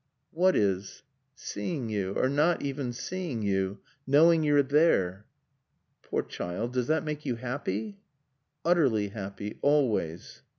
"What is?" "Seeing you. Or not even seeing you. Knowing you're there." "Poor child. Does that make you happy?" "Utterly happy. Always."